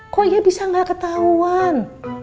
kok yau bisa gak ketauan